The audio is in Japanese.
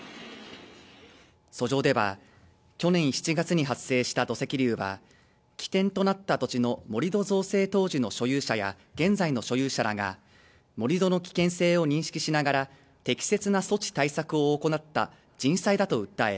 訴状では去年７月に発生した土石流は起点となった土地の盛り土造成当時の所有者や現在の所有者らが盛り土の危険性を認識しながら適切な措置対策を行った人災だと訴え